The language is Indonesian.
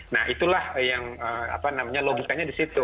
nah itulah yang apa namanya logikanya disitu